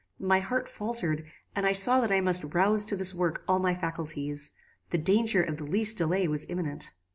My heart faltered, and I saw that I must rouse to this work all my faculties. The danger of the least delay was imminent.